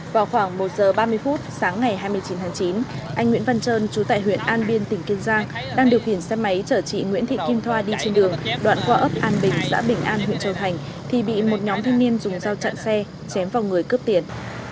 vào khoảng một giờ ba mươi phút sáng ngày hai mươi chín tháng chín anh nguyễn văn trơn chú tại huyện an biên tỉnh kiên giang đang điều khiển xe máy chở chị nguyễn thị kim thoa đi trên đường đoạn qua ấp an bình xã bình an huyện châu thành thì bị một nhóm thanh niên dùng dao chặn xe chém vào người cướp tiền